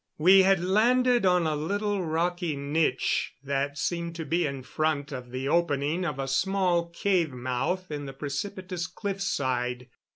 We had landed on a little rocky niche that seemed to be in front of the opening of a small cave mouth in the precipitous cliffside.